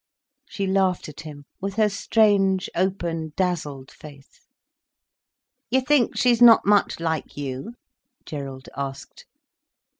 She laughed at him with her strange, open, dazzled face. "You think she's not much like you?" Gerald asked.